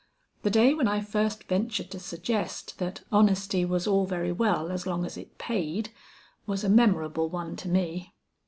The day when I first ventured to suggest that honesty was all very well as long as it paid, was a memorable one to me.